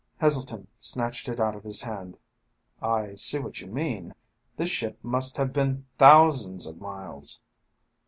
Heselton snatched it out of his hand. "I see what you mean. This ship must have been thousands of miles